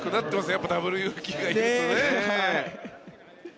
やっぱりダブルユウキがいるとね。